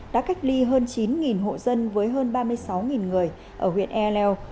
đã cách ly hơn chín hộ dân với hơn ba mươi sáu người ở huyện ea leo